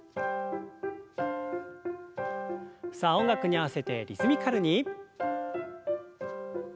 さあ音楽に合わせてリズミカルに。